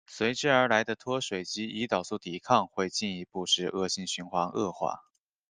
随之而来的脱水及胰岛素抵抗会进一步使恶性循环恶化。